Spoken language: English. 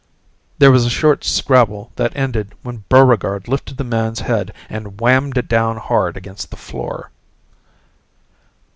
There was a short scrabble that ended when Buregarde lifted the man's head and whammed it down hard against the floor.